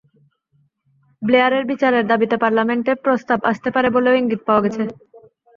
ব্লেয়ারের বিচারের দাবিতে পার্লামেন্টে প্রস্তাব আসতে পারে বলেও ইঙ্গিত পাওয়া গেছে।